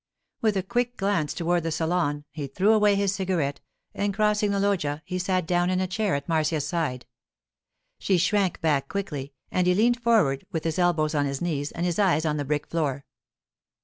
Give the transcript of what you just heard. With a quick glance toward the salon, he threw away his cigarette, and crossing the loggia, he sat down in a chair at Marcia's side. She shrank back quickly, and he leaned forward with his elbows on his knees and his eyes on the brick floor.